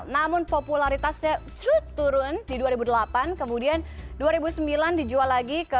namun popularitasnya turun di dua ribu delapan kemudian dua ribu sembilan dijual lagi ke